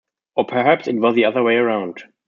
Or perhaps it was the other way around.